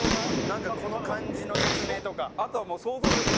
なんかこの感じの説明とか。